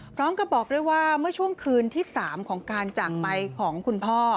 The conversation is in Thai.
พร้อมกับบอกด้วยว่าเมื่อช่วงคืนที่๓ของการจากไปของคุณพ่อ